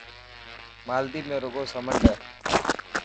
مالديپ ۾ رگو سمنڊ هي.